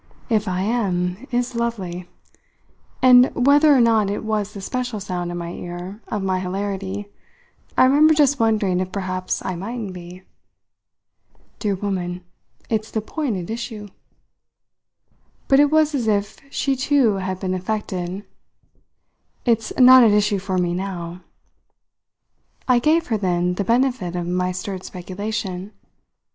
"'If I am' is lovely!" And whether or not it was the special sound, in my ear, of my hilarity, I remember just wondering if perhaps I mightn't be. "Dear woman, it's the point at issue!" But it was as if she too had been affected. "It's not at issue for me now." I gave her then the benefit of my stirred speculation.